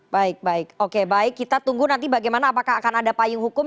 baik baik oke baik kita tunggu nanti bagaimana apakah akan ada payung hukum